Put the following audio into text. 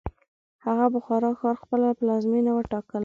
هغه بخارا ښار خپله پلازمینه وټاکله.